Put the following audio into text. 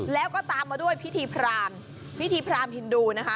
แล้วก็ตามมาด้วยพิธีพรามพิธีพรามฮินดูนะคะ